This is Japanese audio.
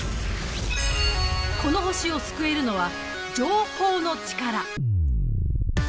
この星を救えるのは情報のチカラ。